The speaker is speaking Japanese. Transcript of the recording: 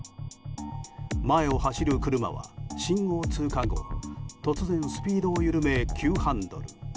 前を走る車は、信号通過後突然スピードを緩め急ハンドル。